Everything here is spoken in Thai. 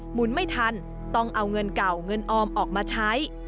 หนุนไม่ทันต้องเอาเงินเก่าเงินออมออกมาใช้